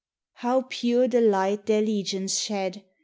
How pure the light their legions shed!